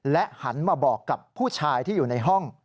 หันมาบอกกับผู้ชายที่อยู่ในห้อง